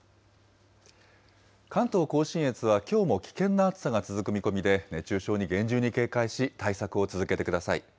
関東甲信越はきょうも危険な暑さが続く見込みで、熱中症に厳重に警戒し、対策を続けてください。